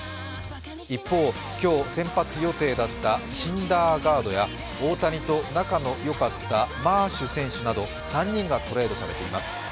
一方、今日、先発予定だったシンダーガードや大谷と仲の良かったマーシュ選手など３人がトレードされています。